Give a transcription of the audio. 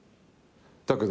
だけど。